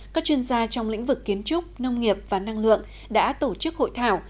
các chuyên gia trong lĩnh vực kiến trúc nông nghiệp và năng lượng đã tổ chức hội thảo